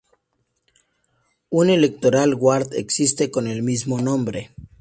Un electoral ward existe con el mismo nombre.